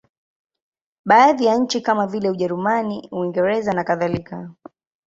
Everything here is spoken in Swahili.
Baadhi ya nchi kama vile Ujerumani, Uingereza nakadhalika.